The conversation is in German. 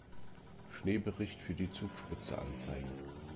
Schneebericht für die Zugspitze anzeigen.